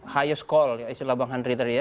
highest call istilah bang henry tadi ya